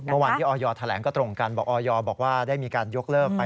เมื่อวานที่ออยแถลงก็ตรงกันบอกออยบอกว่าได้มีการยกเลิกไป